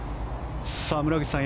村口さん